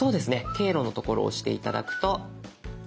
「経路」のところを押して頂くと。